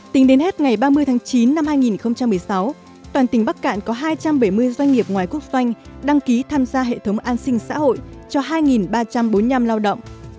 tính đến hết ngày ba mươi tháng chín năm hai nghìn một mươi sáu toàn tỉnh bắc cạn có hai trăm bảy mươi doanh nghiệp ngoài quốc doanh đăng ký tham gia hệ thống an sinh xã hội cho hai ba trăm bốn mươi năm lao động